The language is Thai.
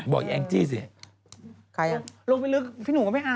จากกระแสของละครกรุเปสันนิวาสนะฮะ